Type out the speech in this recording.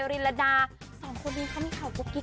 รุ้นก็รุ้นค่ะพี่